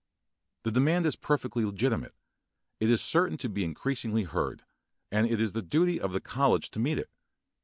The demand is perfectly legitimate; it is certain to be increasingly heard; and it is the duty of the college to meet it.